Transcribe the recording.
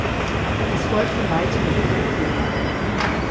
Es folgten weitere B-Filme.